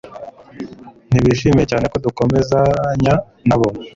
Ntibishimye cyane ko dukomezanya nabo